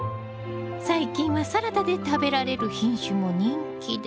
最近はサラダで食べられる品種も人気で。